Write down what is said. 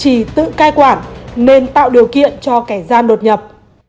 chủ trì tự cai quản nên tạo điều kiện cho kẻ gian đột nhập